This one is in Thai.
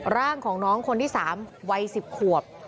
ร่างของน้องคนที่๓วัย๑๐ขวบ